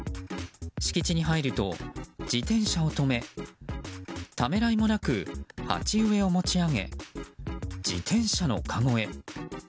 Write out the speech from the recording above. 敷地に入ると自転車を止め、ためらいもなく鉢植えを持ち上げ自転車のかごへ。